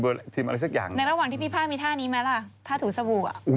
ในระหว่างที่พี่ภาคมีท่านี้ไหมล่ะท่าถูสบู่